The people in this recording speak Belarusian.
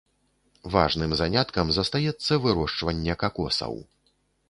Важным заняткам застаецца вырошчванне какосаў.